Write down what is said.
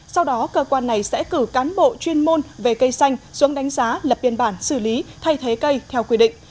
sau đó cơ quan này sẽ cử cán bộ chuyên môn về cây xanh xuống đánh giá lập biên bản xử lý thay thế cây theo quy định